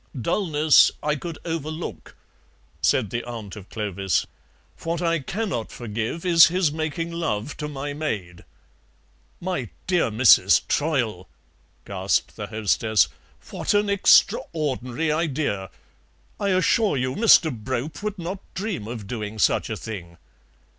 "Dullness I could overlook," said the aunt of Clovis; "what I cannot forgive is his making love to my maid." "My dear Mrs. Troyle," gasped the hostess, "what an extraordinary idea! I assure you Mr. Brope would not dream of doing such a thing."